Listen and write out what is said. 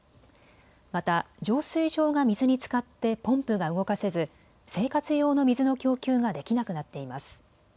また浄水場が水につかってポンプが動かせず生活用の水の供給ができなくなっています。